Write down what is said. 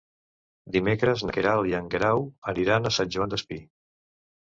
Dimecres na Queralt i en Guerau aniran a Sant Joan Despí.